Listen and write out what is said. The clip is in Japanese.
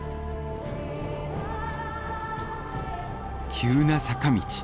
急な坂道。